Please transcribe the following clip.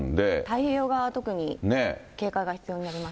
太平洋側は特に警戒が必要になります。